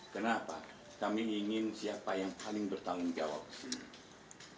kenapa kami ingin siapa yang paling bertanggung jawab